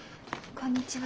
こんにちは。